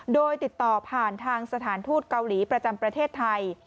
โดยติดต่อผ่านทางสถานทูตเกาหลีประจำประเทศไทย